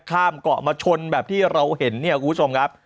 ข้ามเกาะมาชนแบบที่เราเห็นเนี่ยคุณผู้ชมครับ